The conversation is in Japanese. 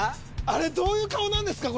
あれどういう顔なんですか？